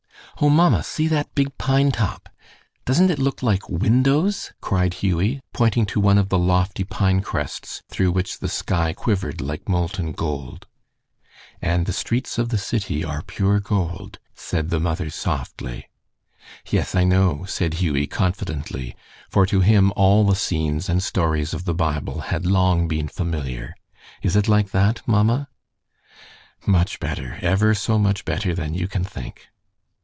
"Oh, mamma, see that big pine top! Doesn't it look like windows?" cried Hughie, pointing to one of the lofty pine crests through which the sky quivered like molten gold. "And the streets of the city are pure gold," said the mother, softly. "Yes, I know," said Hughie, confidently, for to him all the scenes and stories of the Bible had long been familiar. "Is it like that, mamma?" "Much better, ever so much better than you can think."